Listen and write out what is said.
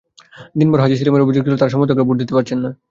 দিনভর হাজি সেলিমের অভিযোগ ছিল, তাঁর সমর্থকেরা ভোট দিতে পারছেন না।